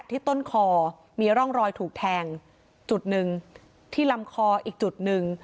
ที่ต้นคอมีร่องรอยถูกแทงจุดหนึ่งที่ลำคออีกจุดหนึ่ง